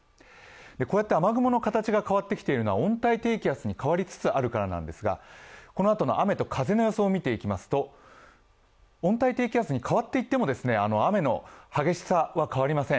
こうやって雨雲の形が変わってきているのは温帯的圧に変わりつつあるからなんですがこのあとの雨と風の予想を見ていきますと、温帯低気圧に変わっていっても雨の激しさは変わりません。